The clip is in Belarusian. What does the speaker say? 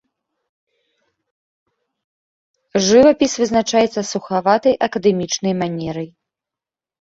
Жывапіс вызначаецца сухаватай акадэмічнай манерай.